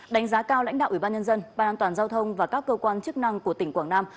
đánh giá cao lãnh đạo ủy ban nhân dân ban an toàn giao thông và các cơ quan chức năng của tỉnh quảng nam